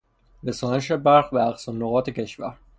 رسانش برق به اقصی نقاط کشور